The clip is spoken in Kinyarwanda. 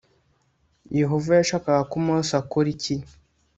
Yehova yashakaga ko Mose akora iki